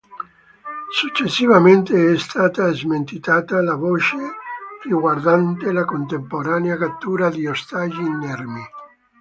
Successivamente è stata smentita la voce riguardante la contemporanea cattura di ostaggi inermi.